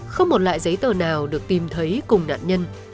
không một loại giấy tờ nào được tìm thấy cùng nạn nhân